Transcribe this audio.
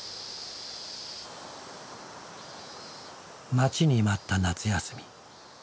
待ちに待った夏休み。